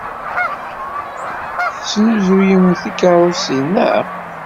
Tesnuzuyemt tikeṛṛusin, naɣ?